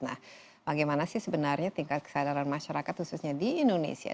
nah bagaimana sih sebenarnya tingkat kesadaran masyarakat khususnya di indonesia